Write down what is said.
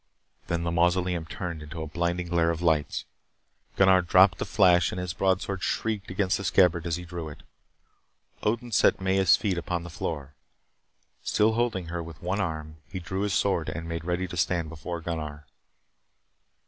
Then the mausoleum turned into a blinding glare of lights. Gunnar dropped the flash and his broadsword shrieked against the scabbard as he drew it. Odin set Maya's feet upon the floor. Still holding her with one arm, he drew his sword and made ready to stand beside Gunnar.